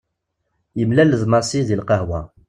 Yemlal d Massi deg lqahwa.